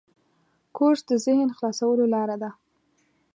کورس د ذهن خلاصولو لاره ده.